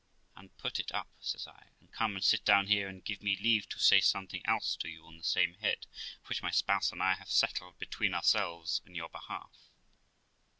' And put it up ', says I, ' and come and sit down here, and give me leave to say something else to you on the same head, which my spouse and I have settled be tween ourselves in your behalf.'